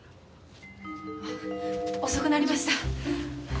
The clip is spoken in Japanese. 遅くなりました